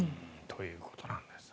ということなんです。